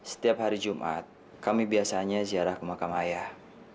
setiap hari jumat kami biasanya ziarah ke makam ayah